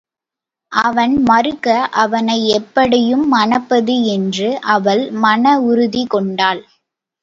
அவன் மறுக்க அவனை எப்படியும் மணப்பது என்று அவள் மன உறுதி கொண்டாள்.